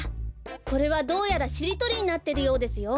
これはどうやらしりとりになってるようですよ。